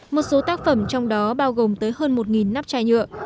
một số tác phẩm trong đó bao gồm tới hơn một nắp chai nhựa